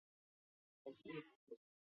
里曼是最有影响力的音乐理论家之一。